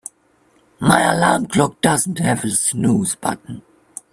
My alarm clock doesn't have a snooze button.